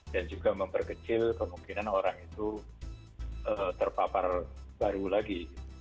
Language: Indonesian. dan juga memperkecil kemungkinan orang itu terpapar baru lagi